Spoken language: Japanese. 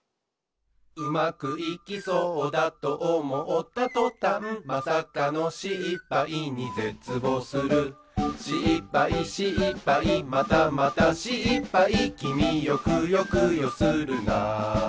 「うまくいきそうだとおもったとたん」「まさかのしっぱいにぜつぼうする」「しっぱいしっぱいまたまたしっぱい」「きみよくよくよするな」